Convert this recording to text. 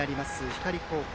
光高校。